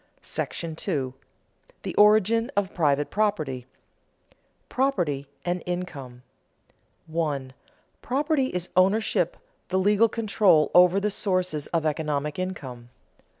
§ II. THE ORIGIN OF PRIVATE PROPERTY [Sidenote: Property and income] 1. _Property is ownership, the legal control over the sources of economic income.